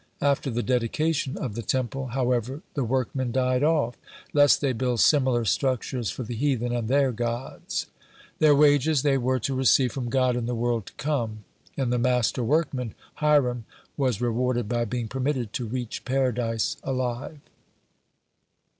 After the dedication of the Temple, however, the workmen died off, lest they build similar structures for the heathen and their gods. Their wages they were to receive from God in the world to come, (60) and the master workman, Hiram, (61) was rewarded by being permitted to reach Paradise alive.